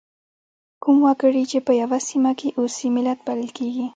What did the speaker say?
کوم وګړي چې په یوه سیمه کې اوسي ملت بلل کیږي.